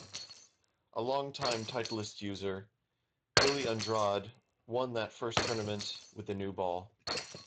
A longtime Titleist user, Billy Andrade, won that first tournament with the new ball.